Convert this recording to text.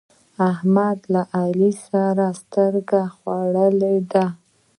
احمد له علي سره سترګه خوړلې ده.